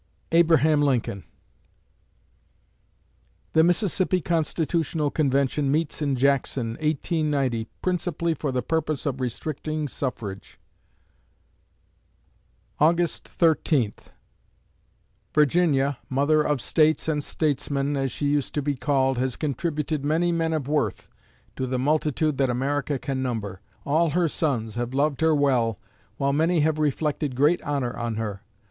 ABRAHAM LINCOLN The Mississippi Constitutional Convention meets in Jackson, 1890, principally for the purpose of restricting suffrage August Thirteenth Virginia, mother of States and statesmen, as she used to be called, has contributed many men of worth to the multitude that America can number. All her sons have loved her well, while many have reflected great honor on her.